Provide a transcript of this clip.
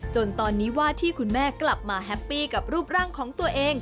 จนตอนนี้ว่าที่คุณแม่กลับมาแฮปปี้กับรูปร่างของตัวเอง